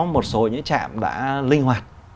một số những trạm đã linh hoạt